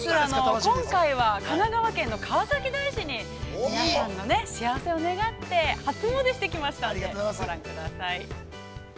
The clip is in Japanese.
今回は、神奈川県の川崎大師に皆さんの幸せを願って初詣してきましたんでご覧ください。